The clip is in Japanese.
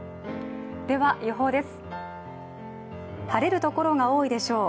では予報です。